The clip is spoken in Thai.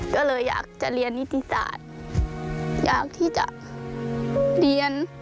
ก็เลยอยากจะเรียนนิติศาสตร์อยากที่จะเรียน